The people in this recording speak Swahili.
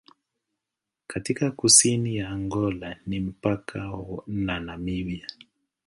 Katika kusini ya Angola ni mpaka na Namibia.